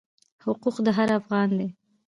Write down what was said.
حقوق د هر افغان دی.